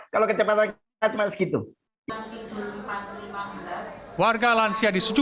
kalau kecepatan kita cuma segitu